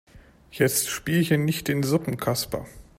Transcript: Jetzt spiel hier nicht den Suppenkasper.